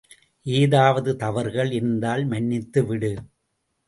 ஏதாவது தவறுகள் இருந்தால் மன்னித்துவிடு.